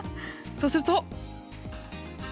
そうすると。